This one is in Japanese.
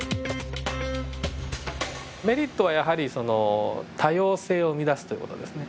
メリットはやはりその多様性を生み出すという事ですね。